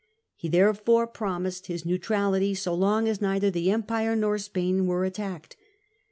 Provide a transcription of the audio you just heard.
He therefore promised his neutrality, so long as neither the Empire nor Spain were attacked.